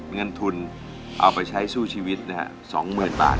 เงินทุนเอาไปใช้สู้ชีวิตนะฮะ๒๐๐๐บาท